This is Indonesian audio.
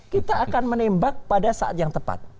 kita akan menembak pada saat yang tepat